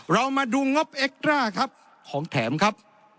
เรามาดูงบเอ็กตราครับของแถมครับ